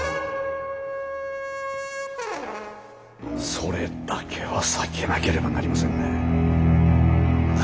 それだけは避けなければなりませんね。